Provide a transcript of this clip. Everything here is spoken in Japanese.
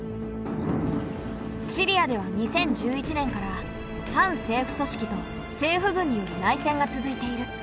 シリアでは２０１１年から反政府組織と政府軍による内戦が続いている。